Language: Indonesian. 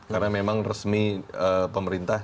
karena memang resmi pemerintah